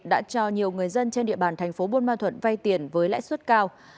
đã cho nhiều người dân trên địa bàn thành phố buôn ma thuận vay tiền với lãi suất cao